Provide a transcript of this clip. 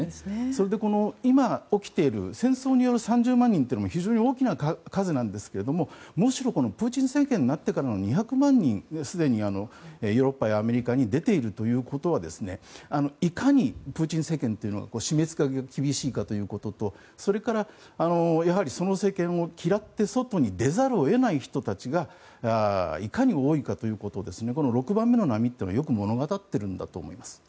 それで今起きている戦争による３０万人というのも非常に大きな数なんですけれどもむしろプーチン政権になってからの２００万人がすでにヨーロッパやアメリカに出ているということはいかにプーチン政権の締め付けが厳しいかということとそれから、その政権を嫌って外に出ざるを得ない人たちがいかに多いかということをこの６番目の波というのがよく物語ってるんだと思います。